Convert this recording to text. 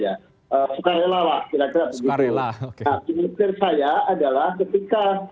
nah kemungkinan saya adalah ketika